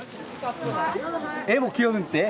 絵も清めて。